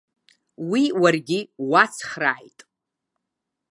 Уи уаргьы уацхрааит.